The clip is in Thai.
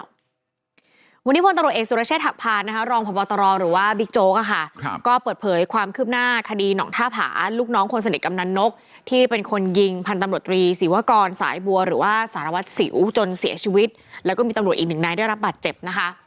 วันนี้พลตำรวจเอกสุรเชษฐหักพานนะคะรองพบตรหรือว่าบิ๊กโจ๊กอะค่ะก็เปิดเผยความคืบหน้าคดีหนองท่าผาลูกน้องคนสนิทกำนันนกที่เป็นคนยิงพันธุ์ตำรวจรีศีวกรสายบัวหรือว่าสารวัตรสิวจนเสียชีวิตแล้วก็มีตำรวจอีกหนึ่งนายได้รับบาดเจ็บนะคะ